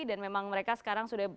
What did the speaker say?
dan memang mereka sekarang sudah